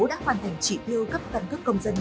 đã hoàn thành chỉ tiêu cấp căn cước công dân